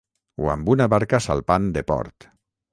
O amb una barca salpant de port.